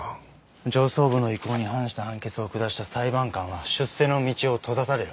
上層部の意向に反した判決を下した裁判官は出世の道を閉ざされる。